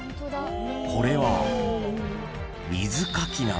［これは］